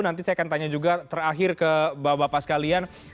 nanti saya akan tanya juga terakhir ke bapak bapak sekalian